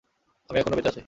আমি এখনও বেঁচে আছি!